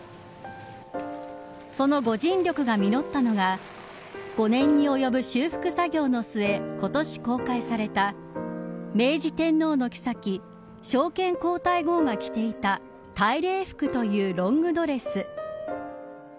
その、ご尽力が実ったのが５年に及ぶ修復作業の末今年公開された明治天皇のきさき昭憲皇太后が着ていた大礼服というロングドレス。